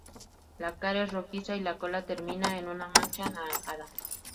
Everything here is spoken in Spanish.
La cara es rojiza y la cola termina en una mancha anaranjada.